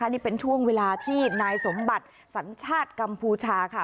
นี่เป็นช่วงเวลาที่นายสมบัติสัญชาติกัมพูชาค่ะ